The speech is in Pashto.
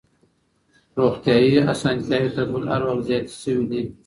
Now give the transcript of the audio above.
روغتيايي اسانتياوې تر بل هر وخت زياتي سوي دي.